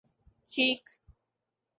check